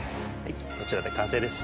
こちらで完成です。